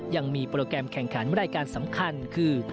ยังมีโปรแกรมแข่งขันรายการสำคัญคือ